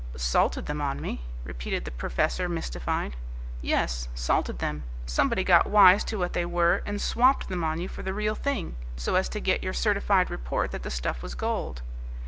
"Salted them on me?" repeated the professor, mystified. "Yes, salted them. Somebody got wise to what they were and swopped them on you for the real thing, so as to get your certified report that the stuff was gold."